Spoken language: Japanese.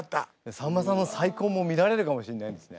さんまさんの再婚も見られるかもしんないんですね。